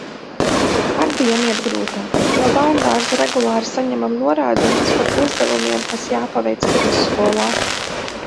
Hardijam iet grūtāk. No bērnudārza regulāri saņemam norādījumus par uzdevumiem, kas jāpaveic pirmsskolā.